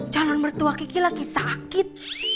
calon mertua kiki lagi sakit